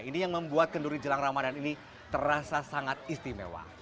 ini yang membuat kenduri jelang ramadan ini terasa sangat istimewa